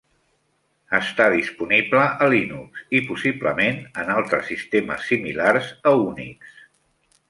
Està disponible a Linux i possiblement en altres sistemes similars a Unix.